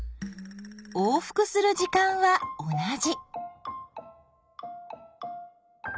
往復する時間は同じ。